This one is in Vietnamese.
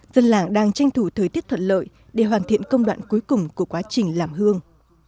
dân làng đang tranh thủ thời tiết thuận lợi để hoàn thiện công đoạn cuối cùng của quá trình làm hương